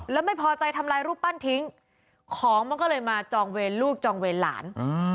แล้วไม่พอใจทำลายรูปปั้นทิ้งของมันก็เลยมาจองเวรลูกจองเวรหลาน